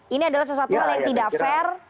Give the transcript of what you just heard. ini adalah sesuatu hal yang tidak fair